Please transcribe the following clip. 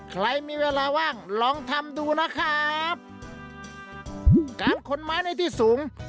ใครมีเวลาว่างลองทำดูนะครับการขนไม้ในที่สูง